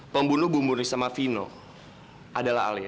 pembunuh bu murni sama vino adalah alia